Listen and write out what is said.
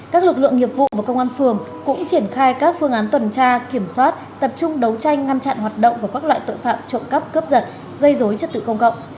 các lực lượng nghiệp vụ và công an phường cũng triển khai các phương án tuần tra kiểm soát tập trung đấu tranh ngăn chặn hoạt động của các loại tội phạm trộm cắp cướp giật gây dối trật tự công cộng